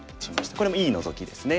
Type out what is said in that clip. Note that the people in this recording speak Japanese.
これもいいノゾキですね。